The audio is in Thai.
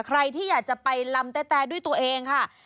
ใครที่อยากจะไปลำแต๊ด้วยตัวเองค่ะ